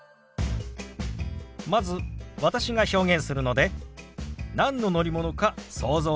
まず私が表現するので何の乗り物か想像してください。